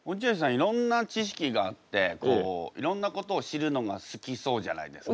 いろんな知識があっていろんなことを知るのが好きそうじゃないですか。